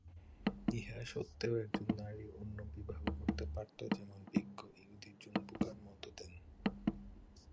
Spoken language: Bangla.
ইহা সত্ত্বেও একজন নারী অন্য বিবাহ করতে পারত যেমন বিজ্ঞ ইহুদি জুন বুকার মত দেন।